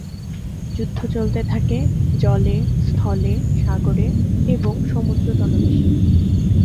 যুদ্ধ চলতে থাকে জলে, স্থলে, সাগরে এবং সমুদ্রতলদেশেও।